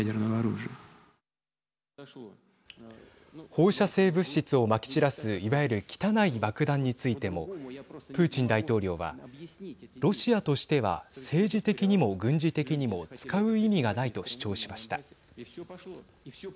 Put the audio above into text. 放射性物質をまき散らすいわゆる汚い爆弾についてもプーチン大統領はロシアとしては政治的にも軍事的にも使う意味がないと主張しました。